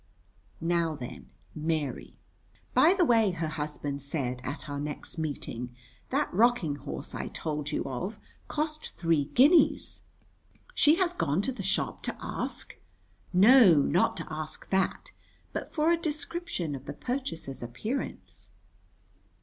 Now then, Mary. "By the way," her husband said at our next meeting, "that rocking horse I told you of cost three guineas." "She has gone to the shop to ask?" "No, not to ask that, but for a description of the purchaser's appearance."